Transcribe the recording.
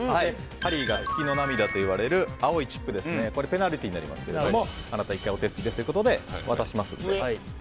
ハリーが月の涙といわれる青いチップをペナルティーになりますがあなた、１回お手付きですと渡しますので。